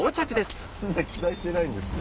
期待してないんですよ。